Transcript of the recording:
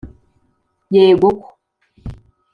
yego ko